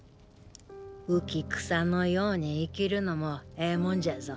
浮き草のように生きるのもええもんじゃぞ。